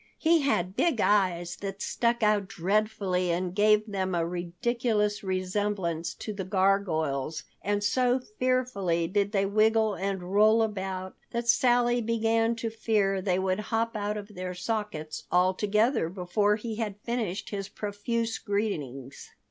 He had big eyes that stuck out dreadfully and gave them a ridiculous resemblance to the gargoyles, and so fearfully did they wiggle and roll about that Sally began to fear they would hop out of their sockets altogether before he had finished his profuse greetings.